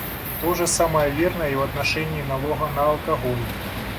То же самое верно и в отношении налога на алкоголь.